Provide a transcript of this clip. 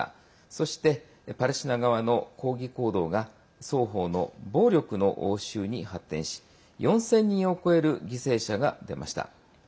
そしてパレスチナ側の抗議行動が双方の暴力の応酬に発展し４０００人を超える犠牲者が出ました。